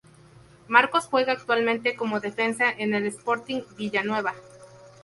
Marcos juega actualmente como defensa en el Sporting Villanueva.